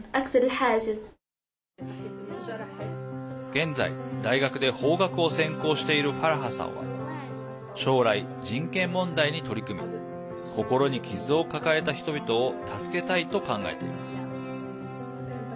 現在、大学で法学を専攻しているファラハさんは将来、人権問題に取り組み心に傷を抱えた人々を助けたいと考えています。